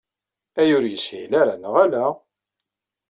Aya ur yeshil ara, neɣ ala?